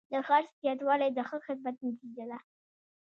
د خرڅ زیاتوالی د ښه خدمت نتیجه ده.